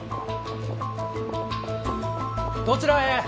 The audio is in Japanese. どちらへ？